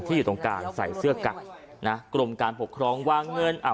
อยู่ตรงกลางใส่เสื้อกั๊กนะกรมการปกครองวางเงินอ่ะ